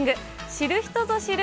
知る人ぞ知る